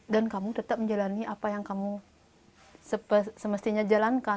dan kamu tetap menjalani apa yang kamu semestinya jalankan